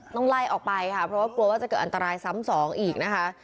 ต้องไล่ออกไปค่ะเพราะว่ากลัวว่าจะเกิดอันตรายซ้ำสองอีกนะคะ